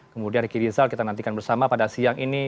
kemudian riki rizal kita nantikan bersama pada siang ini